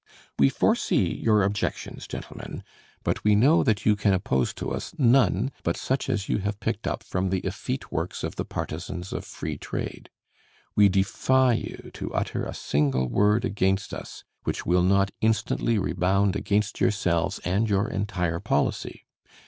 We foresee your objections, gentlemen, but we know that you can oppose to us none but such as you have picked up from the effete works of the partisans of Free Trade. We defy you to utter a single word against us which will not instantly rebound against yourselves and your entire policy.